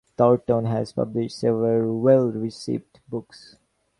Thornton has published several well-received books.